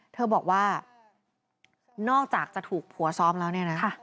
เธอบอกว่านอกจากจะถูกผัวซ้อมแล้วเนี่ยนะ